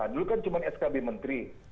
dulu kan cuma skb menteri